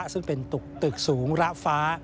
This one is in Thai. ซึ่งเป็นตึกสูงระฟ้า